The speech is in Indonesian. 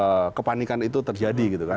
kalau misalkan ada kepanikan itu terjadi gitu